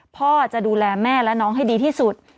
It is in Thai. พ่อจะดูแลแม่และน้องให้ดีที่สุด